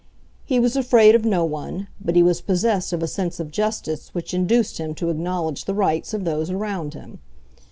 He was afraid of no one, but he was possessed of a sense of justice which induced him to acknowledge the rights of those around him.